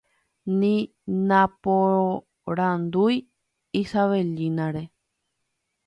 ni naporandúi Isabellina-re